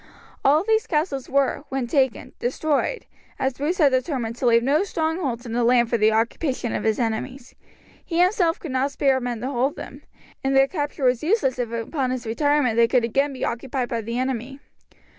All of these castles were, when taken, destroyed, as Bruce had determined to leave no strongholds in the land for the occupation of his enemies. He himself could not spare men to hold them, and their capture was useless if upon his retirement they could again be occupied by the enemy.